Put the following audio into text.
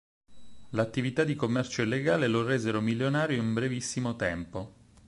L'attività di commercio illegale lo resero milionario in brevissimo tempo.